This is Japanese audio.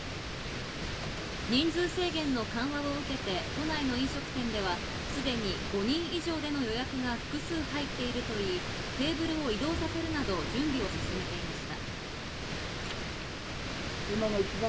人数制限の緩和を受けて都内の飲食店では、すでに５人以上での予約が複数入っているといい、テーブルを移動させるなど準備を進めていました。